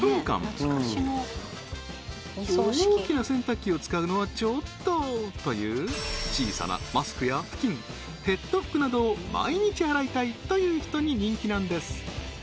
大きな洗濯機を使うのはちょっとという小さなマスクや布巾ペット服などを毎日洗いたいという人に人気なんです